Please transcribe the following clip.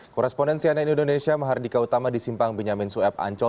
korespondensi ann indonesia mahardika utama di simpang benyamin sueb ancol